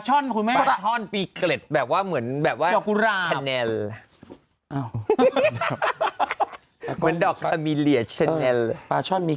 สำหรับคุณเรนิโกมิสเตอร์พี